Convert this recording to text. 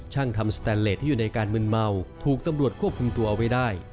ช่างทำสแตนเลสที่อยู่ในการมึนเมาถูกตำรวจควบคุมตัวเอาไว้ได้